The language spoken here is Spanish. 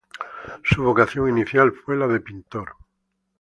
Su vocación inicial fue la de pintor.